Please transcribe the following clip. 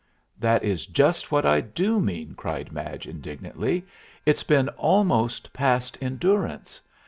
"That is just what I do mean," cried Madge, indignantly. "It's been almost past endurance.